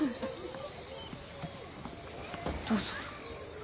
どうぞ。